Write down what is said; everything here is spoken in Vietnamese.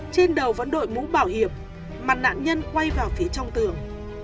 trên đầu vẫn đội mũ bảo hiểm mặt nạn nhân quay vào phía trong tường